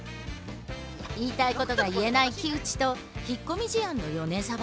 言いたいことが言えない木内と引っ込み思案の米沢。